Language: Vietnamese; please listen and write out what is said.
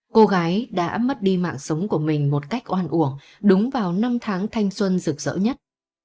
cô gái đã mất đi mạng sống của mình một cách oan uổng đúng vào năm tháng thanh xuân rực rỡ nhất